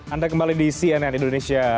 anda kembali di cnn indonesia